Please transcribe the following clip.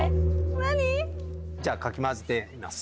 じゃあかき混ぜてみます。